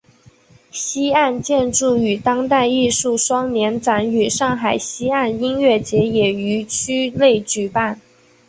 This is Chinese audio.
西岸建筑与当代艺术双年展与上海西岸音乐节也于区内举办。